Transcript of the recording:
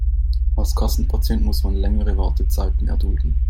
Als Kassenpatient muss man längere Wartezeiten erdulden.